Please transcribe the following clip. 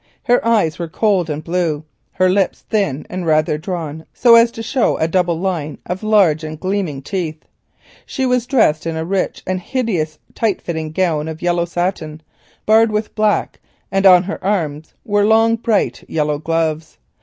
Her eyes were cold and blue, her lips thin and rather drawn, so as to show a double line of large and gleaming teeth. She was dressed in a rich and hideous tight fitting gown of yellow satin, barred with black, and on her arms were long bright yellow gloves.